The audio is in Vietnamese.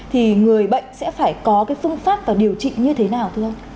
thì người bệnh sẽ phải có cái phương pháp và điều trị như thế nào thưa ông